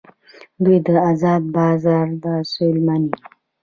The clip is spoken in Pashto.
دوی د ازاد بازار اصول مني.